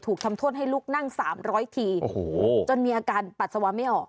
ทำโทษให้ลูกนั่ง๓๐๐ทีโอ้โหจนมีอาการปัสสาวะไม่ออก